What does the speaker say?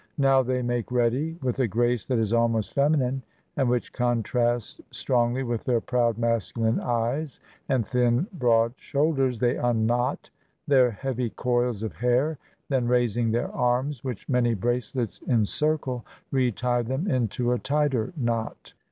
Now they make ready. With a grace that is almost feminine, and which contrasts strongly with their proud masculine eyes and thin broad shoulders, they unknot their heavy coils of hair; then raising their arms, which many bracelets en circle, retie them into a tighter knot.